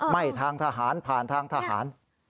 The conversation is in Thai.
ไม่ทางทหารผ่านทางทหาร